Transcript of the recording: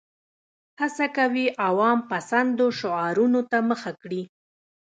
هڅه کوي عوام پسندو شعارونو ته مخه کړي.